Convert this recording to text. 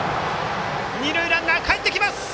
二塁ランナーかえってきます。